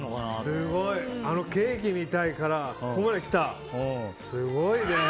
すごい、あのケーキみたいからここまできた？